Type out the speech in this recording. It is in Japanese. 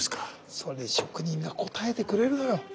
それで職人が応えてくれるのよ。